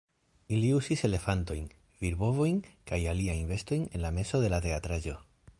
Ili uzis elefantojn, virbovojn kaj aliajn bestojn en la mezo de la teatraĵo